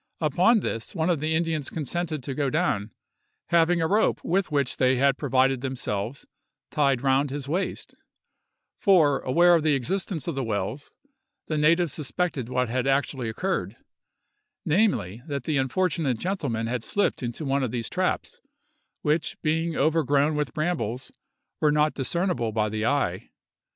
Upon this, one of the Indians consented to go down, having a rope with which they had provided themselves tied round his waist; for, aware of the existence of the wells, the natives suspected what had actually occurred, namely, that the unfortunate gentleman had slipped into one of these traps, which, being overgrown with brambles, were not discernible by the eye.